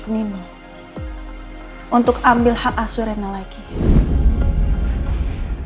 karena kebelakangan gue datang kesini